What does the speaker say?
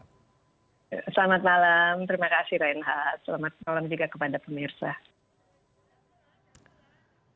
selamat malam terima kasih reinhardt selamat malam juga kepada pemirsa